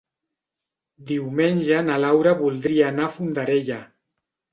Diumenge na Laura voldria anar a Fondarella.